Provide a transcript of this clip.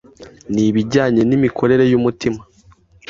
Nibijyanye n’imikorere y’umutima